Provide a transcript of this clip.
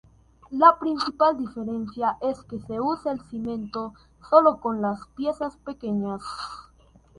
La principal diferencia es que se utiliza el cimento solo con las piezas pequeñas.